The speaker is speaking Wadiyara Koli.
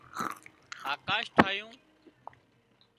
آڪاش ٺاهيون